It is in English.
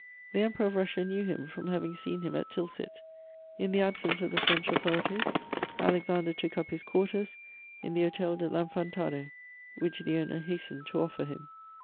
The Emperor of Russia knew him from having seen him at Tilsit. In the absence of the French authorities, Alexander took up his quarters in the Hôtel de l'Infantado, which the owner hastened to offer him.